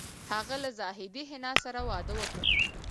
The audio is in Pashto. هغه له زاهدې حنا سره واده وکړ